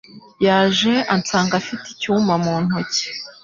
Yaje ansanga afite icyuma mu ntoki.